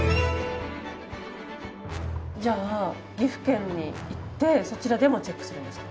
じゃあ岐阜県に行ってそちらでもチェックするんですか？